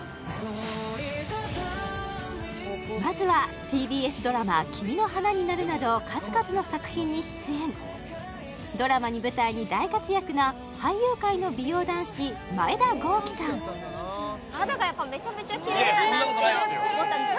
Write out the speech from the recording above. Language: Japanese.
まずはＴＢＳドラマ「君の花になる」など数々の作品に出演ドラマに舞台に大活躍な俳優界の美容男子前田公輝さんいやそんなことないですよ